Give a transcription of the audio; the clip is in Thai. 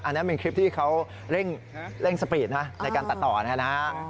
อันนี้เป็นคลิปที่เขาเร่งสปีดนะในการตัดต่อนะฮะ